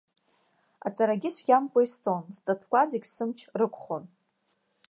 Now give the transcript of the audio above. Аҵарагьы цәгьамкәа исҵон, сҵатәқәа зегьы сымч рықәхон.